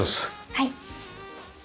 はい。